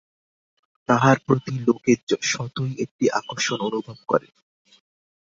তাঁহার প্রতি লোকে স্বতই একটি আকর্ষণ অনুভব করে।